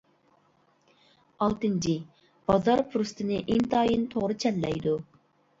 ئالتىنچى، بازار پۇرسىتىنى ئىنتايىن توغرا چەنلەيدۇ.